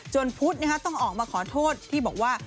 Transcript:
พุทธต้องออกมาขอโทษที่บอกว่า